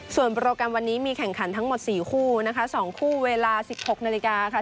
ส่วนโปรแกรมวันนี้มีแข่งขันทั้งหมด๔คู่นะคะ๒คู่เวลา๑๖นาฬิกาค่ะ